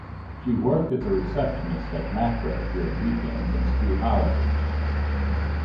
She worked as receptionist at Makro during weekends and school holidays.